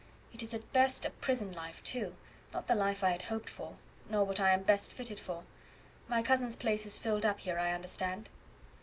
It is at best a prison life, too; not the life I had hoped for, nor what I am best fitted for. My cousin's place is filled up here, I understand."